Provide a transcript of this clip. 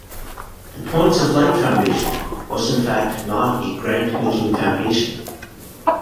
The Points of Light Foundation was in fact not a grant-making foundation.